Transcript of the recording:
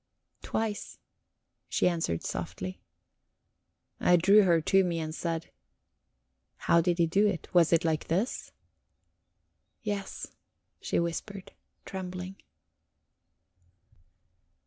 "Twice," she answered softly. I drew her to me and said: "How did he do it? Was it like this?" "Yes," she whispered, trembling.